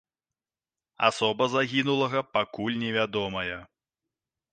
Асоба загінулага пакуль не вядомая.